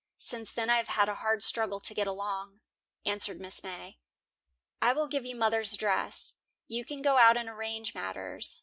Since then I have had a hard struggle to get along," answered Mrs. May. "I will give you mother's address. You can go out and arrange matters.